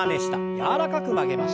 柔らかく曲げましょう。